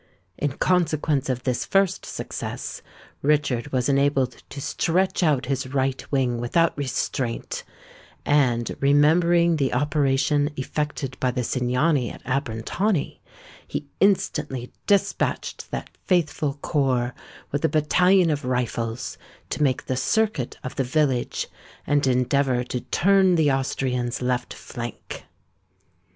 In consequence of this first success, Richard was enabled to stretch out his right wing without restraint; and, remembering the operation effected by the Cingani at Abrantani, he instantly despatched that faithful corps, with a battalion of rifles, to make the circuit of the village, and endeavour to turn the Austrians' left flank.